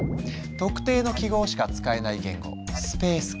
特定の記号しか使えない言語「スペースキー」。